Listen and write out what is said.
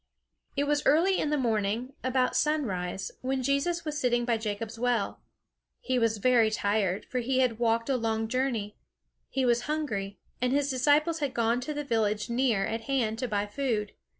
It was early in the morning, about sunrise, when Jesus was sitting by Jacob's well. He was very tired, for he had walked a long journey; he was hungry, and his disciples had gone to the village near at hand to buy food.